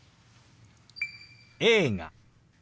「映画」。